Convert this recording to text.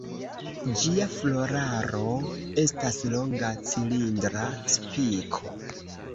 Ĝia floraro estas longa cilindra spiko.